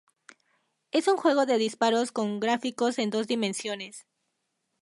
Es un juego de disparos con gráficos en dos dimensiones.